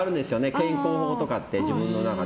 健康ものとかって自分の中で。